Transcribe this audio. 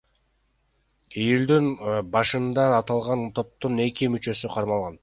Июлдун башында аталган топтун эки мүчөсү кармалган.